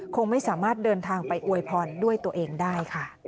คงไม่สามารถเดินทางไปอวยพรด้วยตัวเองได้ค่ะ